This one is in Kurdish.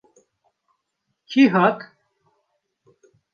Kî hat?